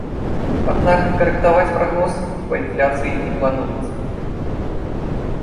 Аднак карэктаваць прагноз па інфляцыі не плануецца.